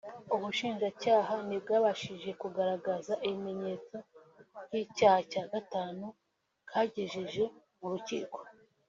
ubushinjacyaha ntibwabashije kugaragaza ibimenyetso by’icyaha cya gatanu bwagejeje mu rukiko